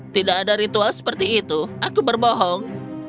tidak ada ritual seperti itu aku berbohong